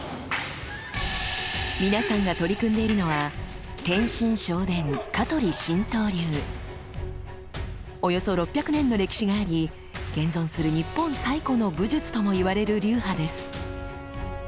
皆さんが取り組んでいるのはおよそ６００年の歴史があり現存する日本最古の武術ともいわれる流派です。